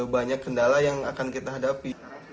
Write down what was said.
banyak kendala yang akan kita hadapi